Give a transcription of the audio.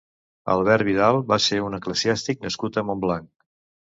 Albert Vidal va ser un eclesiàstic nascut a Montblanc.